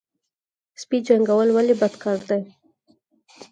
سپي جنګول ولې بد کار دی؟